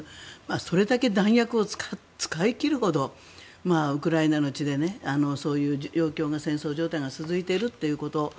それだけ弾薬を使い切るほどウクライナの地でそういう状況戦争状態が続いていること